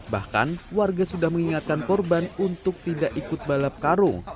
bahkan warga sudah mengingatkan korban untuk tidak ikut balap karung